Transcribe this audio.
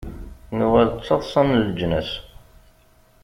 Nuɣal d taḍṣa n leǧnas.